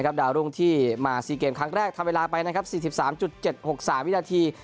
นะครับดาวรุ่งที่มาซีเกมครั้งแรกทำเวลาไปนะครับสี่สิบสามจุดเจ็ดหกสามวินาที